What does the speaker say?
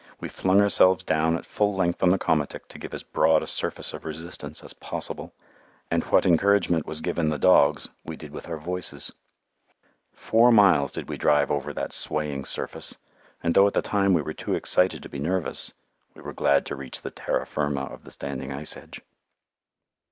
We flung ourselves down at full length on the komatik to give as broad a surface of resistance as possible, and what encouragement was given the dogs we did with our voices. Four miles did we drive over that swaying surface, and though at the time we were too excited to be nervous, we were glad to reach the "terra firma" of the standing ice edge.